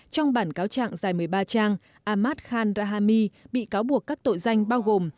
trong bản cáo trạng dài một mươi ba trang amad khan rahami bị cáo buộc các tội danh bao gồm